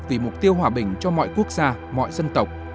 vì mục tiêu hòa bình cho mọi quốc gia mọi dân tộc